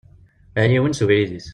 Yal yiwen s ubrid-is.